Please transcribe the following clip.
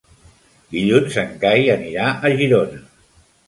Dilluns en Cai anirà a Girona.